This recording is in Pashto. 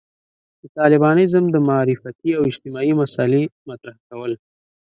د طالبانيزم د معرفتي او اجتماعي مسألې مطرح کول.